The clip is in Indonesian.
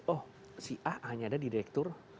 oh si a hanya ada di direktur